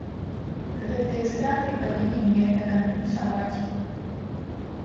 Гэтыя страты павінен нехта кампенсаваць.